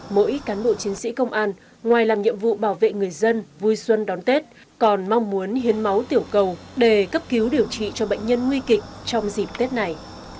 mỗi cán bộ chiến sĩ công an ngoài làm nhiệm vụ bảo vệ người dân vui xuân đón tết còn mong muốn hiến máu tiểu cầu để cấp cứu điều trị cho bệnh nhân nguy kịch trong dịp tết này